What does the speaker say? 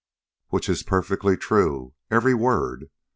"Which is perfectly true, every word.